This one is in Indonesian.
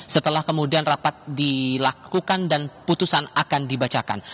setelah kemudian rapat dilakukan dan putusan akan dibacakan